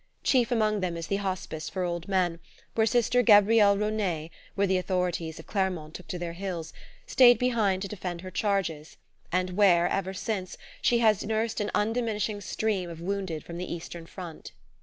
Chief among them is the Hospice for old men, where Sister Gabrielle Rosnet, when the authorities of Clermont took to their heels, stayed behind to defend her charges, and where, ever since, she has nursed an undiminishing stream of wounded from the eastern front.